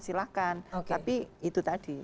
silahkan tapi itu tadi